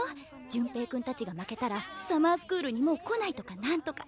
潤平君たちが負けたらサマースクールにもう来ないとかなんとか。